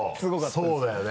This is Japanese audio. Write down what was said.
そうだよね。